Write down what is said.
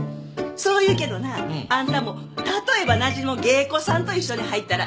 そう言うけどなあんたも例えばなじみの芸妓さんと一緒に入ったらきっと楽しいで。